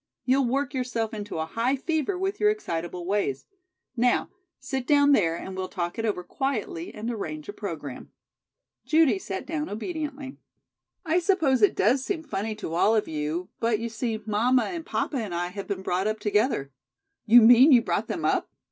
"You'll work yourself into a high fever with your excitable ways. Now, sit down there and we'll talk it over quietly and arrange a program." Judy sat down obediently. "I suppose it does seem funny to all of you, but, you see, mamma and papa and I have been brought up together " "You mean you brought them up?"